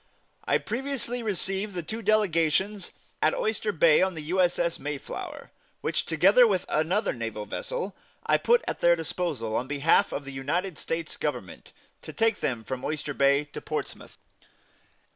I previously received the two delegations at Oyster Bay on the U. S. S. Mayflower, which, together with another naval vessel, I put at their disposal, on behalf of the United States Government, to take them from Oyster Bay to Portsmouth.